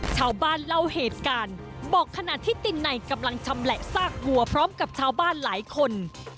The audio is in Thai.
ชาวบ้านเล่าเหตุการณ์บอกขณะที่ตินในกำลังชำแหละซากวัวพร้อมกับชาวบ้านหลายคน